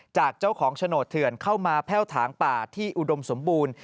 จากเจ้าของโฉนดเถื่อนเข้ามาแพ่วถางป่าที่อุดมสมบูรณ์